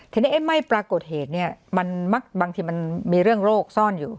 ทีนี้ไอ้ไม่ปรากฏเหตุเนี่ยบางทีมันมีเรื่องโรคซ่อนอยู่